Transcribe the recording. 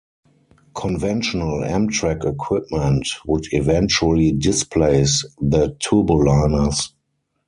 Conventional Amtrak equipment would eventually displace the Turboliners.